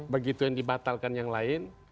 begitu yang dibatalkan yang lain